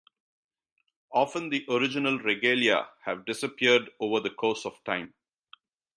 Often the original regalia have disappeared over the course of time.